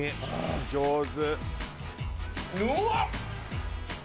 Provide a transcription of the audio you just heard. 上手」